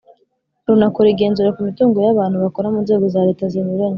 runakora igenzura ku mitungo y’abantu bakora mu nzego za leta zinyuranye.